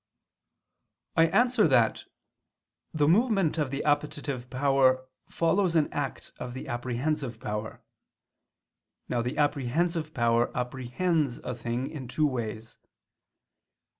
I answer that, The movement of the appetitive power follows an act of the apprehensive power. Now the apprehensive power apprehends a thing in two ways.